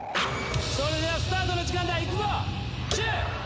それではスタートの時間だ。いくぞ！